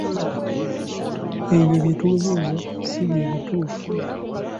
Ebyo bye tulowooza ssi bye bituufu.